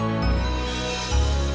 tuhan aku ingin menang